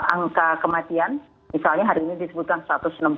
angka kematian misalnya hari ini disebutkan satu ratus enam puluh